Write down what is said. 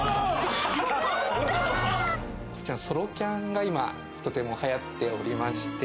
こちらソロキャンが今とても流行っておりまして、